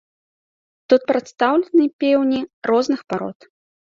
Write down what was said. Тут прадстаўлены пеўні розных парод.